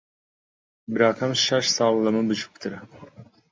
براکەم شەش ساڵ لە من بچووکترە.